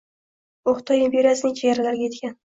U Xitoy imperiyasining chegaralariga yetgan.